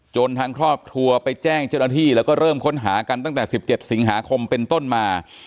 ทางครอบครัวไปแจ้งเจ้าหน้าที่แล้วก็เริ่มค้นหากันตั้งแต่๑๗สิงหาคมเป็นต้นมา